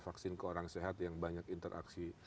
vaksin ke orang sehat yang banyak interaksi